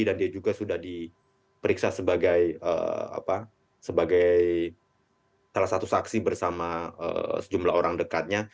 dan dia juga sudah diperiksa sebagai salah satu saksi bersama sejumlah orang dekatnya